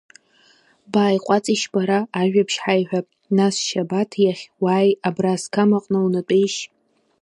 Бааиҟәаҵишь бара, ажәабжь ҳаиҳәап, нас Шьабаҭ иахь, уааи, абра асқам аҟны унатәеишь.